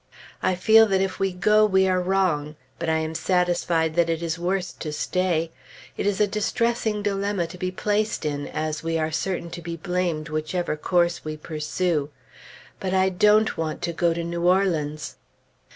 I feel that if we go we are wrong; but I am satisfied that it is worse to stay. It is a distressing dilemma to be placed in, as we are certain to be blamed whichever course we pursue. But I don't want to go to New Orleans!